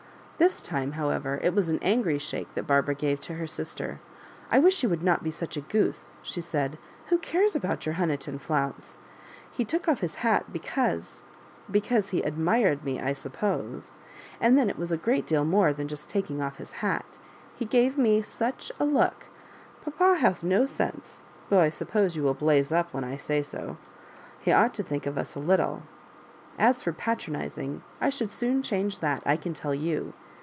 This time, however, it was an angry shake that Barbara gave to her sister. " I wish you would not be such a goose," she said ;'' who cares about your Honiton flounce ? He took off his hat be cause—because he admired me, I suppose — and then it was a great deal more than just taking off his hat He gave me such a look I Papa has no sense, though I suppose you will blaze up when I say so. He ought to think of us a httie. As for patronising, I should soon change that, I can tell you.